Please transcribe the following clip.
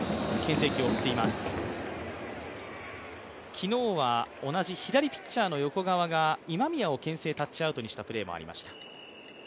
昨日は同じ左ピッチャーの横川が今宮をけん制、タッチアウトにしたプレーもありました。